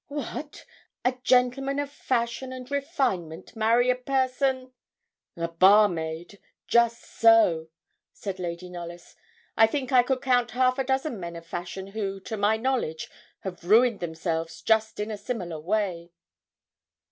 'What! a gentleman of fashion and refinement marry a person ' 'A barmaid! just so,' said Lady Knollys. 'I think I could count half a dozen men of fashion who, to my knowledge, have ruined themselves just in a similar way.'